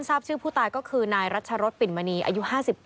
ทราบชื่อผู้ตายก็คือนายรัชรสปิ่นมณีอายุ๕๙